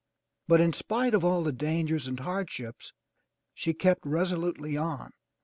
But in spite of all dangers and hardships she kept resolutely on.